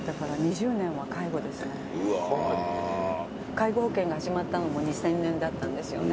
介護保険が始まったのも２０００年だったんですよね。